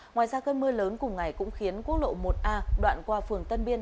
ngoài ra cơn mưa lớn cùng ngày cũng khiến quốc lộ một a đoạn qua phường tân biên